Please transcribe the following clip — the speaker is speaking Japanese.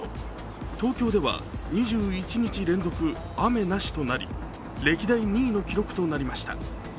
東京では２１日連続雨なしとなり歴代２位の記録となりました。